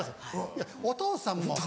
「いやお父さんも」